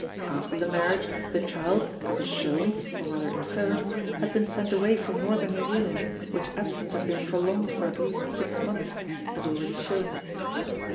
After the marriage, the child, as is shown (or rather inferred), had been sent away for more than a year, which absence had been prolonged for at least six months as already shown.